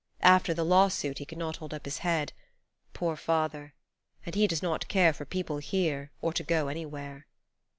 After the lawsuit he could not hold up his head, Poor Father, and he does not care For people here, or to go anywhere.